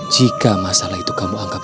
jika masalah itu kamu anggap